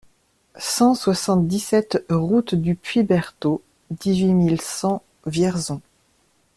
cent soixante-dix-sept route de Puits Berteau, dix-huit mille cent Vierzon